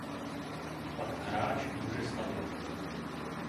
Pak hráč může stavět.